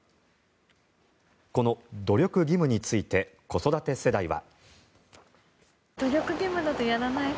この努力義務について子育て世代は。